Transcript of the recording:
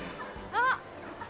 あっ！